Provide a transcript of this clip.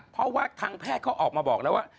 เพราะว่าทางแพทย์เขาออกมาบอกแล้วว่า